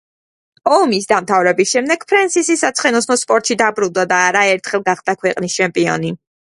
ომის დამთავრების შემდეგ ფრენსისი საცხენოსნო სპორტში დაბრუნდა და არაერთხელ გახდა ქვეყნის ჩემპიონი.